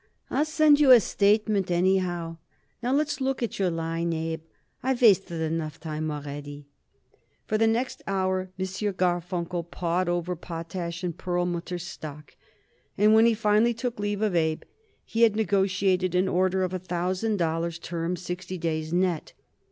I'll send you a statement, anyhow. Now let's look at your line, Abe. I wasted enough time already." For the next hour M. Garfunkel pawed over Potash & Perlmutter's stock, and when he finally took leave of Abe he had negotiated an order of a thousand dollars; terms, sixty days net.